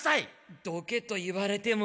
どけと言われても。